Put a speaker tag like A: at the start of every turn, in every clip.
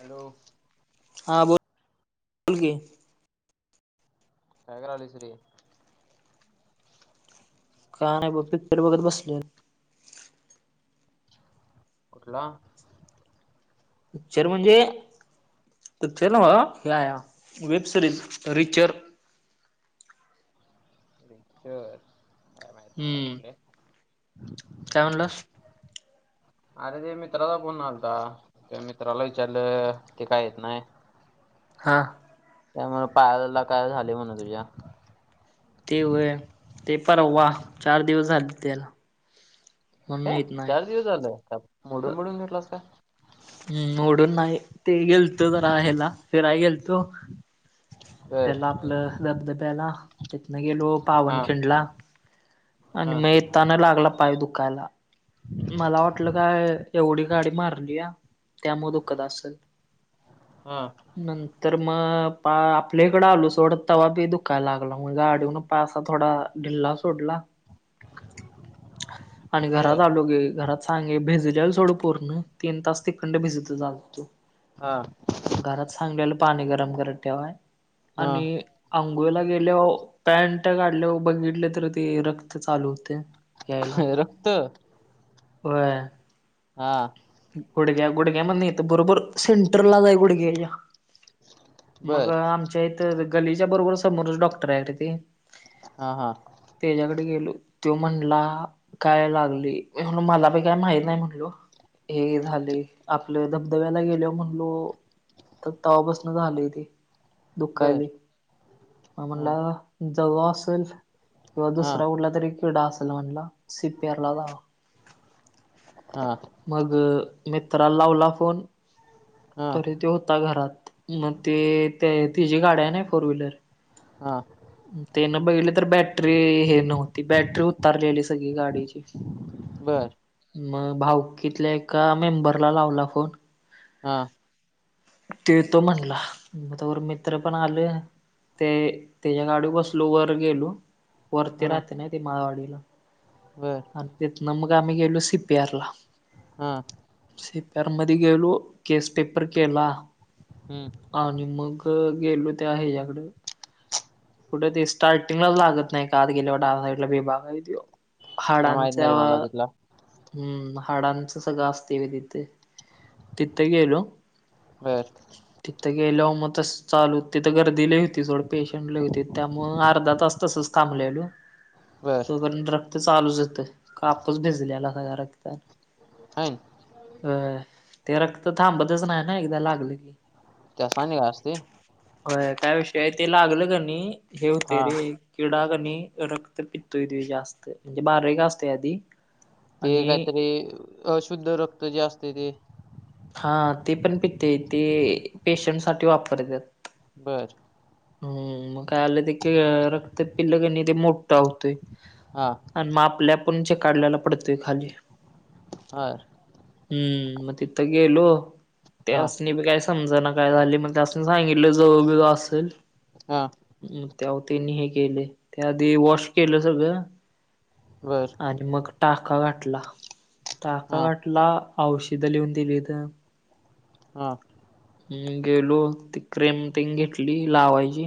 A: Hello.
B: हां बोल, बोल की.
A: काय करालायस रे?
B: काय नाही बघ पित्तर बघत बसलोय.
A: कुठला?
B: पिक्चर म्हणजे पिक्चर नव्ह हे वेब सिरीज रिचर.
A: [unintelligible] चर काय माहित नाही
B: हम्म
A: कुटले.
B: काय म्हनल?
A: ह [inaudible] अरे ते मित्राचा फोन आलता त्या मित्राला विचारलं ते काय येत नाही.
B: हां.
A: त्यामुळे पायाला काय झाले म्हणे तुझ्या.
B: ते होय ते परवा चार दिवस झाले त्याला. म्हणून
A: हे
B: येत नाही
A: चार दिवस झालं का मोडून, मोडून घेतलास का?
B: हम्म, मोढून नाही ते गेलतो जरा हला फिराय गेलतो.
A: बर
B: ह्याला आपलं धबधब्याला. तिथन गेलो
A: हा
B: पावनखिंडला
A: हा
B: आणि मग येताना लागला पाय दुखायला. मला वाटलं काय एवढी गाडी मारली या त्यामु अ दुःखद असल.
A: हा.
B: नंतर मग पा आपल्याकडें आलो सोडत तवा बी दुखायला लागला म गाडीहून पाय असा थोडा ढिल्ला सोडला आणि
A: बर
B: घरात आलो की घरात सांगे भिजल्याल सोडं पूर्ण तीन तास तिखंड भिजत आलो होतो.
A: हा.
B: घरात सांगल्या पाणी गरम करत ठेवाय
A: हा
B: आणि अंघोळला गेल्यावर पॅनट काढल्या बघितले तर ते रक्त चालू होते. यायला
A: रक्त
B: होय.
A: हा.
B: गुडघ्या, गुडघ्या मधन येत बरोबर सेंटरलाच हाय गुडघ्याच्या. मग
A: बर
B: आमच्या इथ गलीच्या बरोबर समोरच डॉक्टर आहेरे ते.
A: हा हा.
B: त्याच्याकडे गेलो. तो म्हणला काय लागले. मी म्हणलो मला बी काय माहीत नाही म्हणलो. हे झालेय. आपलं धबधब्याला गेल्याव म्हणलो त तवापासनं झालंय ते
A: बर
B: दुखायलेय. मा
A: हा
B: म्हणला जवा असल किंवा
A: हा
B: दुसरा कुठला तरी किडा असेल म्हणला सीपीआरला लावा.
A: आ,
B: मग मित्राला लावला फोन.
A: हा
B: तरी तो होता घरात. मग ते ते तिची गाड्या आहे ना फोर व्हीलर
A: हा,
B: तेयन बघले तर, बॅटरी हे नव्हती बॅटरी उतारलेली सगळी गाडीची.
A: बरं.
B: मग भाऊकीतल्या एका मेंबरला लावला फोन.
A: हा,
B: ते येतो म्हणला. मग तवर मित्र पण आले. ते त्याच्या गाडीव बसलो वर गेलो. वरती
A: हा
B: राहते ना, ते माारवाडीला
A: बर
B: आणि तेतन मग आम्ही गेलो सि पी आर ला.
A: हा,
B: सि पी आर मधी गेलो. केस पेपर केला.
A: हम,
B: आणि मग गेलो. त्या हाच्याकडं कुठं ते स्टार्टिंगलाच लागत नाही का, आत गेल्यावर डाव्या साइडला विभाग आहे तो.
A: काय माहित
B: हाडांच्या
A: नाही रे मला तिथला
B: हम्म, हाडांचं सगळं असते व तिथे. ते गेलो.
A: वर
B: तिथं गेल्याव मग तसं चालू तिथं गर्दी लय होती. जोडं पेशंट लय होते. त्यामुळ अर्धा तास तसंच कामलेलू
A: बर
B: तो पर्यत रक्त चालूच येतं. कापूस भिजलेला जरा रक्ता
A: अय
B: अ ते रक्त थांबतच नाही ना, एकदा लागलं की,
A: त्यासानी गा असते.
B: होय काय विषय ते लागलं का नाही हे होतय
A: हा
B: रे. किडा का नाही रक्त पितोय ते जास्त म्हणजे बारेक असतेय आधी
A: ते
B: आणि
A: काहीतरी अशुद्ध रक्त जे असते ते
B: हा ते पण पितेय ते पेशंट साठी वापरत्यात.
A: बर.
B: हम्, मग का आले ते केअर रक्त पिल्लं कनी ते मो ठा होतोय
A: हा
B: आणि मा आपल्या पंचे काढल्याला पडतोय खाली.
A: हार
B: हम्म, मग तिथं गेलो.
A: हा
B: त्यास बी काय समजा ना, काय झालेय मग त्यासनी सांगितलं जळू बिळू असल
A: हा,
B: म् त्याव त्यांनी हे केले. त्याआधी वॉश केलं सगळं
A: बरं.
B: आणि मग टाका गाठला. टाका
A: हा
B: गाठला औषध लिहून दिली त
A: हां
B: म गेलो ती क्रिम तेग घेतली लावायची.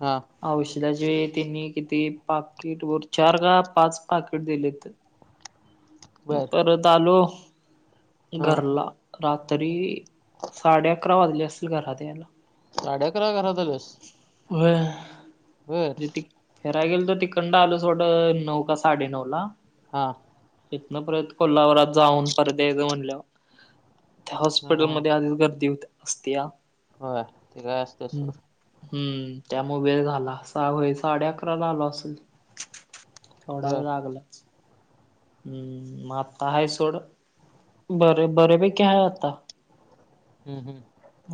A: हां
B: औषधाचे त्यांनी किती पाकिट वर चार का पाच पाकिट दिलेत.
A: बर
B: परत आलो
A: हा
B: घरला. रात्री साडे अकरा वाजले असतील घरात यायला.
A: साडे अकराला घरात आलास.
B: व्हय जती फिराय गेलतो तिकडन आलो सोड नऊ का साडे नऊ ला.
A: हां
B: तिथन परत कोल्हापुरात जाऊन परत यायच म्हटल्यावर. त्या
A: हा हा
B: हॉस्पिटलमध्ये आधीच गर्दी होती असतीया
A: होय ते काय असते
B: हम्म.
A: सोड
B: हम्म त्यामुळ वेळ झाला सा होय साडे अकराला आलो असल. [unintelligible]
A: बर
B: लागला हम्म मग आता हाय सोड बरे बऱ्यापैकी हाय आता.
A: हम्म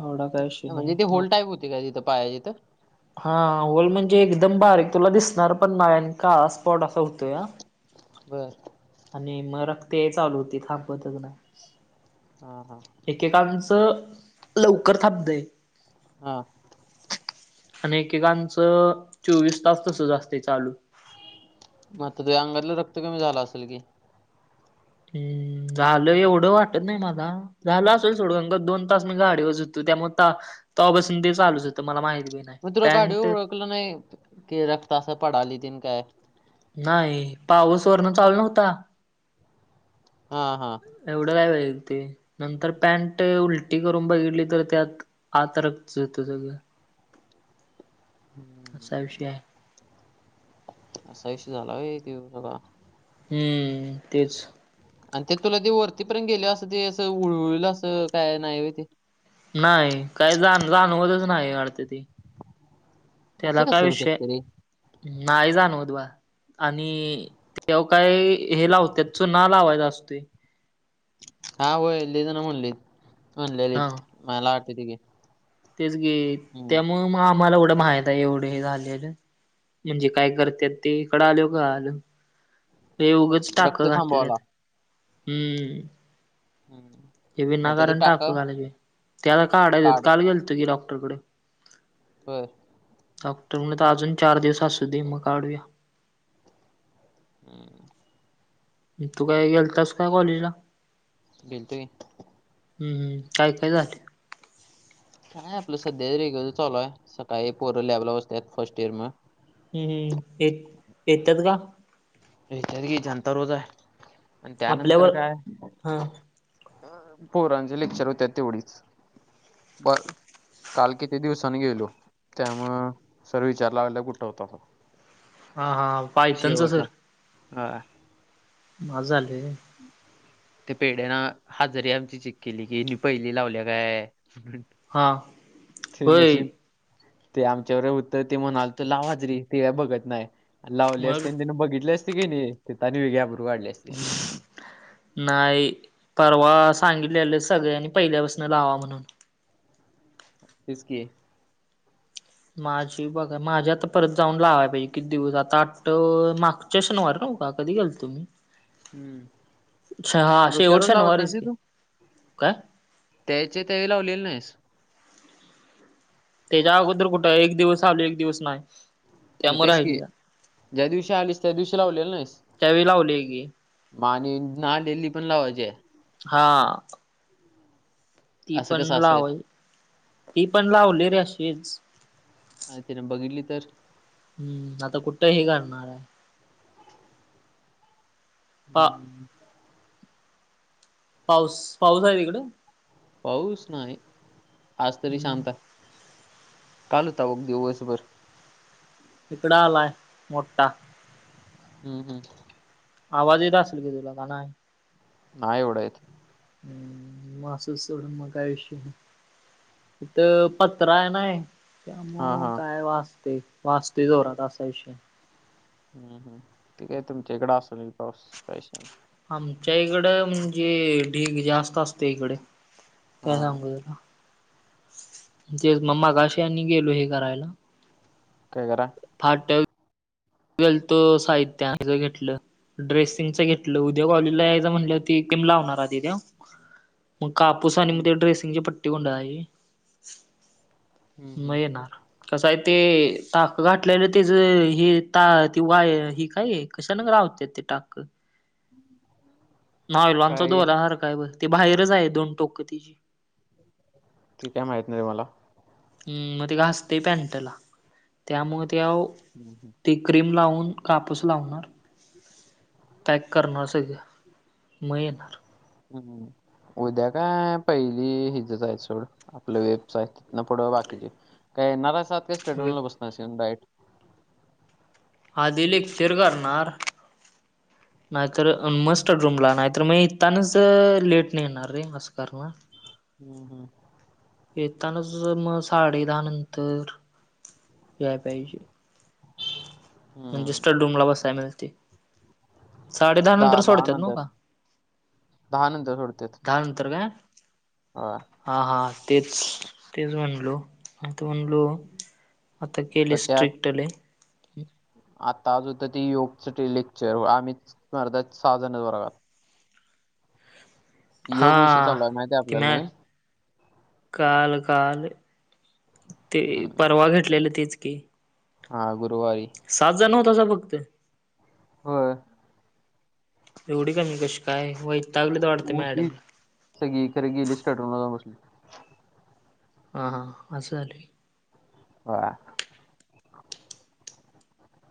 B: एवढा काय विषय नाही
A: म्हणजे ती
B: मग
A: होल टाईम होती का तिथ पाहिजे तिथ.
B: होल म्हणजे एकदम बारीक तुला दिसणार पण नाही आणि काळा स्पॉट असा होतोय. हा.
A: बर
B: आणि मग रक्त यायला चालू होतय थांबतच नाही.
A: हां हां
B: एकेकांच लवकर थांबतय.
A: हां
B: आणि एकेकांच चोवीस तास तसच असतय चालू.
A: मग ते अंगातल रक्त कमी झाल असेल की.
B: हम्म झालय एवढ वाटत नाही मला. झाला असेल थोडं दोन तास मी गाडीवरच होतो त्यामुळ तवापासून ते चालूच होत मला माहिती
A: मग तुला गाडीवर ओळखल नाही की रक्त अस पडालय तेन काय?
B: नाही पाऊस वरण चालू नव्हता.
A: हां हां
B: एवढ नाही माहिती नंतर पॅन्ट उलटी करून बघितली तर त्यात आत रक्तच होत सगळ.
A: [inaudible]
B: असा विषय आहे.
A: असा विषय झाला व्हय तो सगळा.
B: हम्म तेच
A: आणि ते तुला ते वरतीपर्यंत गेले अस ते अस उळल अस काय नाही होय.
B: नाही काही जाण जाणवलच नाही वाटत ते. त्याला
A: असं
B: काय
A: कसं होऊ
B: विषय
A: शकतं रे?
B: नाही जाणवत [unintelligible] आणि तेव्हा काय हे लावत्यात चुना लावायचा असतोय.
A: हा होय लयजण म्हणले
B: हा
A: म्हणाल्यालेत मला आठवतय की.
B: तेच की
A: हम्म.
B: त्यामुळ मग आम्हाला एवढ माहित आहे एवढे हे झालेल. म्हणजे काय करत्यात ते इकड आल्यावर कळाल. उगच टाक
A: रक्त
B: घातल्यात.
A: थांबवायला.
B: हम्म
A: हम्म
B: ते
A: मग आता
B: विनाकारण टाक
A: टाका
B: घातले त्याला काढायच आहेत
A: काढ
B: काल गेलतो की डॉक्टरकडे.
A: बर.
B: डॉक्टर म्हटलीत अजून चार दिवस असू दे मग काढूया.
A: [unintelligible]
B: तू काय गेलतास का कॉलेज ला?
A: गेलतो की.
B: हम्म हम काय काय झाल?
A: काय आपलं सध्या रेगुलर चालू आहे. सकाळी पोरं लॅबला बसतात. फर्स्ट इयर मग
B: हम् हम् य येतात का?
A: हेंच्यात बी जनता रोज आहे. आणि त्यानंतर
B: आपल्यावर
A: काय
B: हां
A: हा हा पोरांचे लेक्चर होत्यात तेवढीच बरं. काल किती दिवसांनी गेलो. त्यामुळे सर विचाराय लागलेला. कुठं होतासा म्हणून,
B: हा हा पायतान चा सर.
A: हा.
B: माझ आलय.
A: [unintelligible] ते पेढ्या हाजरी आमची चेक केली की मी पहिली लावल्या काय.
B: हां
A: ते
B: होय
A: नशीब ते आमच्यावर होतं ते म्हणालत लाव हाजरी ते काय बघत नाही. लावले
B: मग
A: असते. आणि त्याने बघितले असते की नाही. तिथं आणि ह्याची अब्रू काढली असती. तिनं
B: [unintelligible] नाही. परवा सांगितलेल सगळ्यांनी पहिल्यापासन लावा म्हणून.
A: तेच की,
B: माझी बघा. माझी आता परत जाऊन लावाय पाहिजे. किती दिवस आता आठव माग च्या शनिवार नव का कधीे गेलतो मी.
A: हम्म
B: अच्छा, हा
A: रोजच्या
B: शेवट
A: रोज लावत
B: शनिवारीच की. काय?
A: त्याचे त्या वेळी लावलेले नाहीस.
B: त्याच्या अगोदर कुठं एक दिवस आलोय. एक दिवस नाही.
A: होय
B: त्यामुळे
A: तेच की,
B: राहिली
A: ज्या दिवशी आलीस. त्या दिवशी लावलेल नाहिस.
B: त्यावेळी लावली की
A: मग आणि नाही आलेली पण लावायची आहे.
B: हा.
A: [unintelligible]
B: ती
A: असं
B: पण
A: कसं असेल
B: लावय ती पण लावली रे अशीच.
A: अ तीन बघितली तर?
B: हम्म. आता कुठं हे करणार आहे. पा
A: हम्म.
B: पाऊस पाऊस आहे तिकडं?
A: पाऊस नाही. आज तरी
B: हम्म
A: शांत आहे. काल होता बघ दिवसभर.
B: हिकडं आलाय मोठा.
A: हम्म हम्म.
B: आवाज येत असेल की तुला का नाही?
A: नाही एवढा येत.
B: हम्म. मग असं सोडून मग काय विषय नाही. तिथं पत्रा आहे नाही.
A: हा
B: त्यामुळ
A: हा
B: काय वाजतेय. वाजते जोरात असा विषय.
A: हं हं. ते काय तुमच्या इकड असल बी पाऊस. काय विषय नही.
B: आमच्या इकड म्हणजे ढीग जास्त असतो इकडे. काय
A: हा
B: सांगू तुला? ते ज गा म मघाशी आनी गेलो हे करायला
A: काय कराय?
B: फाट ट्याव गेलोतो साहित्या आणायला. घेतलं. ड्रेसिंगच घेतलं. उद्या कॉलेजला यायचं म्हणाल्यावर ती एक क्रीम लावणार आधी तेव्हा. मग कापूस आणि मग
A: हम्म
B: ते ड्रेसिंगची पट्टी गुंडाळयची.
A: हम्म
B: म
A: हम्म
B: येणार. कसं आहे, ते टाक घातलेलं तेच हे ता ती वाय ही काय आहे कशान लावता ती टाक?
A: [inaudible]
B: नायलॉनचा
A: काय आहे?
B: दोरा सारखय बर, ती बाहेरच आहे दोन टोकं तिची.
A: ती काय माहीत नाही मला.
B: अं मग ते घासतेय पॅन्टला. त्यामुळे ते आओ
A: हम्म
B: क्रीम लावून कापूस लावणार. पॅक करणार सगळ, म येणार.
A: हं हं हं. उद्या काय पहिली हिजच आहे सोड. आपलं वेबच आहे. तिथन पुढं बाकीचे. काय येणार असात का
B: वे
A: स्टेडयम ला बसणार असता डाएट.
B: हा दिलीप फिर करणार. नाहीतर मस्टड रूमला. नाहीतर म इतानाच लेट नाही येणार रे. असं करनार.
A: हं हं.
B: येतानाच म साडे दहा नंतर याय पाहिजे. म्हणजे
A: हम्म.
B: स्टड रूमला बसायला मिळते. साडे दहा नंतर
A: दहा
B: सोडतात नव्ह
A: नंतर
B: का?
A: दहा नंतर सोडत्यात.
B: दहानंतर काय?
A: हा.
B: हा हा तेच. तेच म्हणलो. अता म्हणलो आता
A: तर
B: केली
A: त्यात
B: स्ट्रिक्ट लई.
A: आता आजून तं ते योगच ते लेक्चर. आम्ही स्पर्धा साहाजन जाणार आहे. योग विषय
B: हा.
A: चालू आहे माहिती आहे
B: ती
A: आपल्याला
B: मॅ
A: नवीन
B: काल काल ते
A: हम्म.
B: परवा घेतलेलं तेच की.
A: हा गुरुवारी.
B: साहाच जण वतसा फक्त?
A: होय.
B: एवढी कमी कशी काय? व
A: होती सगळी खर गेली स्टार्टनला जाऊ बसली.
B: हां हां हां असं झालंय.
A: हा.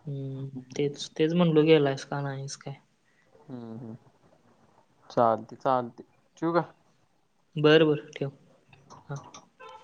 B: हं तेच. तेच म्हणलो गेला आहेस का नाहीस काय?
A: हं हं. चालते चालते. ठेऊ का?
B: बरं बरं. ठेव. हा
A: [inaudible]